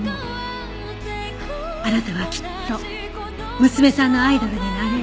あなたはきっと娘さんのアイドルになれる。